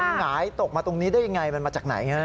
หงายตกมาตรงนี้ได้ยังไงมันมาจากไหนฮะ